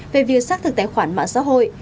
về việc xác thực tài khoản mạng xã hội